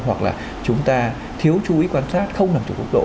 hoặc là chúng ta thiếu chú ý quan sát không làm chủ quốc độ